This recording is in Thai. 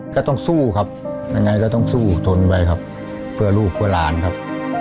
ก็ต้องสู้ครับยังไงก็ต้องสู้ทนไว้ครับเพื่อลูกเพื่อหลานครับ